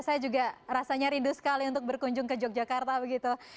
saya juga rasanya rindu sekali untuk berkunjung ke yogyakarta begitu